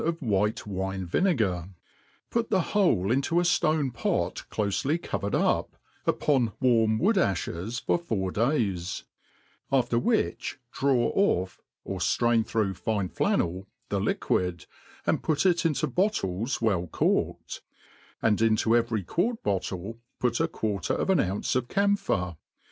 3+3 of white wine vinegar, put the whole into a ftonepot clofely covered up, upon warm wood a(hes, for four days ; after which draw ofF (or ftrain through fine flannel) the liquid, and put it into bottles well corked ; and into every quart bottle put a quarter of an ounce of camphor.